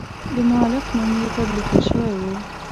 د مؤلف نوم یې پر لیکل شوی و.